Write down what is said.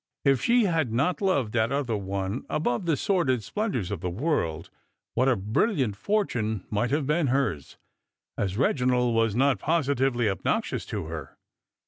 If she had not loved that other one above the sordid splendours of the world, what a brilliant fortune might have been hers ! And Eeginald was not positively obnoxious to her.